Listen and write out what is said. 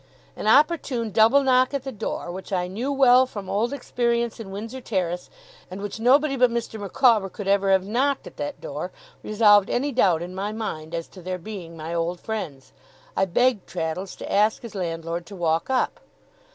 An opportune double knock at the door, which I knew well from old experience in Windsor Terrace, and which nobody but Mr. Micawber could ever have knocked at that door, resolved any doubt in my mind as to their being my old friends. I begged Traddles to ask his landlord to walk up.